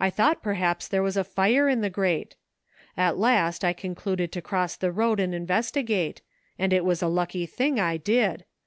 I thought perhaps there was a fire in the grate. At last I concluded to cross the road and investigate, and it was a lucky thing I did.